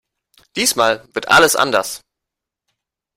Diesmal wird alles anders!